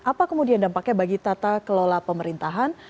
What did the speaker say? apa kemudian dampaknya bagi tata kelola pemerintahan